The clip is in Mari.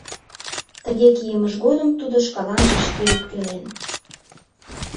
Тыге кийымыж годым тудо шкаланже шке ӧпкелен.